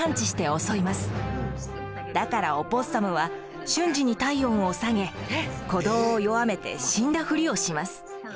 だからオポッサムは瞬時に体温を下げ鼓動を弱めて死んだふりをします。